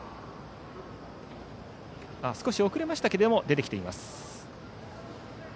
少し遅れましたが出てきています。